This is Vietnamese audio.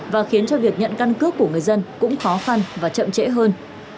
và khiến cho việc nhận căn cước của người dân cũng khó khăn và chậm trễ hơn